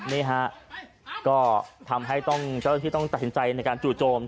เนี้ยฮะก็ทำให้ต้องเจ้าให้ต้องจัดจุจโม